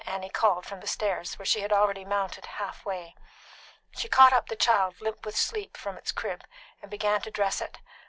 Annie called from the stairs, which she had already mounted half way. She caught up the child, limp with sleep, from its crib, and began to dress it.